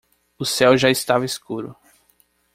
O céu já estava escuro.